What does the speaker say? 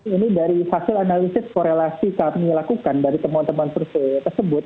ini dari hasil analisis korelasi kami lakukan dari temuan temuan survei tersebut